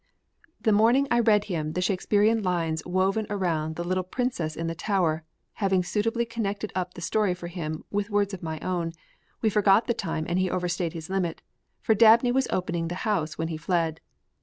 The morning I read him the Shakespearian lines woven around the little Princes in the Tower, having suitably connected up the story for him with words of my own, we forgot the time and he overstayed his limit, for Dabney was opening the house when he fled.